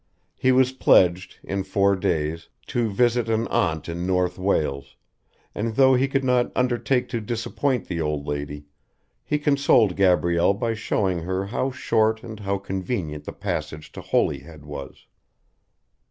He was pledged, in four days, to visit an aunt in North Wales, and though he could not undertake to disappoint the old lady, he consoled Gabrielle by showing her how short and how convenient the passage to Holyhead was.